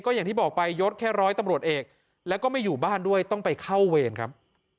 อย่างที่บอกไปยศแค่ร้อยตำรวจเอกแล้วก็ไม่อยู่บ้านด้วยต้องไปเข้าเวรครับ